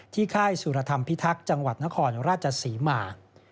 ค่ายสุรธรรมพิทักษ์จังหวัดนครราชศรีมา